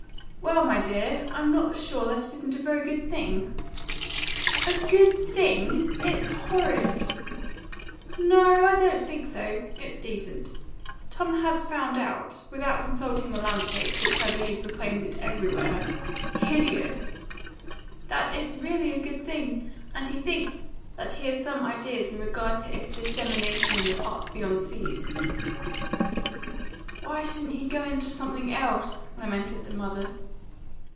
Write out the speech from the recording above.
"Well, my dear, I'm not sure that it isn't a very good thing." "A good thing? It's horrid!" "No, I don't think so. It's decent. Tom had found out without consulting the landscape, which I believe proclaims it everywhere " "Hideous!" "That it's really a good thing; and he thinks that he has some ideas in regard to its dissemination in the parts beyond seas." "Why shouldn't he go into something else?" lamented the mother.